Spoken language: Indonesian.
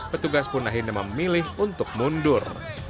petugas pun akhirnya memilih untuk mundur